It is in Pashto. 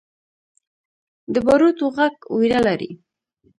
د باروتو غږ ویره لري.